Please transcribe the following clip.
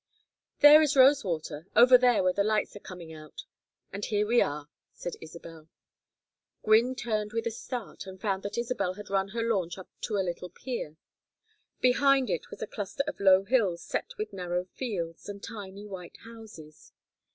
"There is Rosewater over there where the lights are coming out; and here we are," said Isabel. Gwynne turned with a start and found that Isabel had run her launch up to a little pier. Behind it was a cluster of low hills set with narrow fields and tiny white houses.